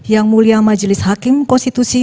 yang mulia majelis hakim konstitusi